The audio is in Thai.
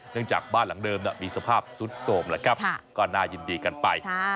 จากบ้านหลังเดิมมีสภาพสุดโสมแหละครับก็น่ายินดีกันไป